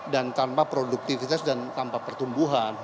dan tanpa produktivitas dan tanpa pertumbuhan